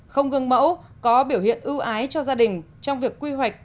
không gương mẫu có biểu hiện ưu ái cho gia đình trong việc quy hoạch